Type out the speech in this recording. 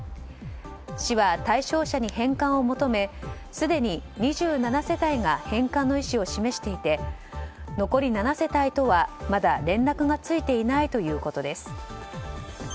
市は対象者に返還を求めすでに２７世帯が返還の意思を示していて残り７世帯とは、まだ連絡がついていないということです。